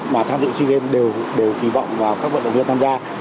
mà tham dự sea games đều kỳ vọng vào các vận động viên tham gia